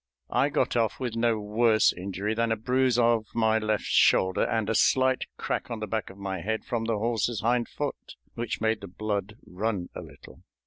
I got off with no worse injury than a bruise of my left shoulder and a slight crack on the back of my head from the horse's hind foot, which made the blood run a little.